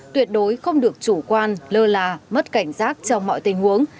tuyệt đối không được chủ quan lơ là mất cảnh giác trong mọi tình huống